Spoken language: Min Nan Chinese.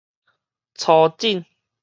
初診